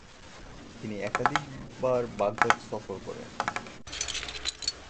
তিনি একাধিকবার বাগদাদ সফর করেন ।